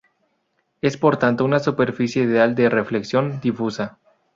Es por tanto una superficie ideal de reflexión difusa.